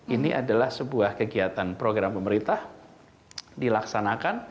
ini adalah sebuah kegiatan program pemerintah dilaksanakan